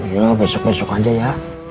ya besok besok aja ya